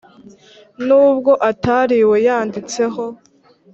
N ubwo atariwe yanditseho